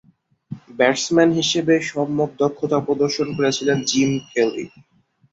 Batsman হিসেবেও সম্যক দক্ষতা প্রদর্শন করেছিলেন জিম কেলি।